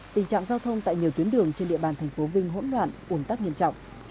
tình trạng giao thông tại nhiều tuyến đường trên địa bàn thành phố vinh hỗn loạn ủng tắc nghiêm trọng